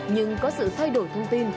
nhưng có sự thay đổi thông tin